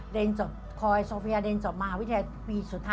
เรียนจบพอโซเฟียเรียนจบมาอาวิทยาวิทยาวิทยาวิทยาวิทยาว